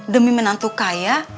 demi menantu kaya